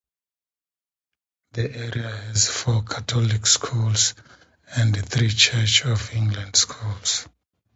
The area has four Catholic schools and three Church of England schools.